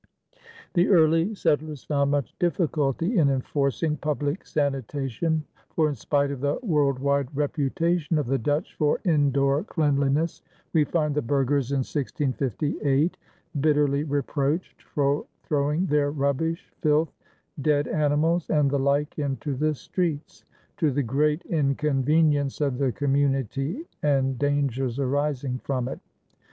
The early settlers found much difficulty in enforcing public sanitation, for, in spite of the world wide reputation of the Dutch for indoor cleanliness, we find the burghers in 1658 bitterly reproached for throwing their rubbish, filth, dead animals, and the like into the streets "to the great inconvenience of the community and dangers arising from it."